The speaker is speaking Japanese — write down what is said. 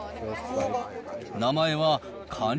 名前はカニ